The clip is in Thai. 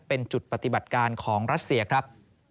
เป็นจุดปฏิบัติการของรัสเซียครับ